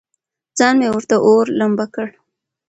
ځان مې ورته اور، لمبه کړ.